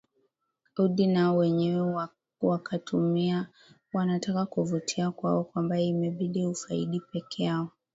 udi nao wenyewe wakatumia wanataka kuvutia kwao kwamba imebidi ufaidi pekeyao